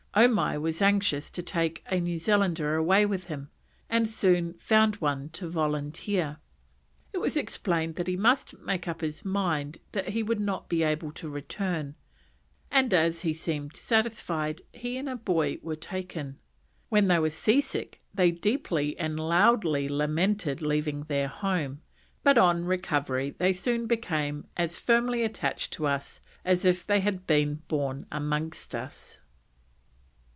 Omai was anxious to take a New Zealander away with him, and soon found one to volunteer. It was explained that he must make up his mind that he would not be able to return, and as he seemed satisfied he and a boy were taken. When they were seasick they deeply and loudly lamented leaving their home, but on recovery they soon became "as firmly attached to us as if they had been born amongst us."